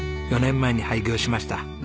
４年前に廃業しました。